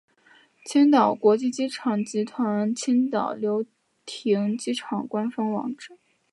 青岛国际机场集团青岛流亭机场官方网站